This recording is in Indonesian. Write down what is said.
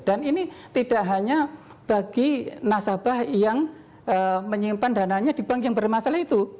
dan ini tidak hanya bagi nasabah yang menyimpan dananya di bank yang bermasalah